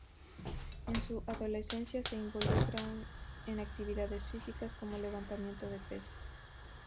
En su adolescencia se involucra en actividades físicas como levantamiento de pesas.